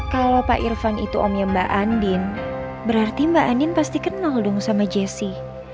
kalau pak irfan itu omnya mbak andin berarti mbak andin pasti kenal dong sama jesse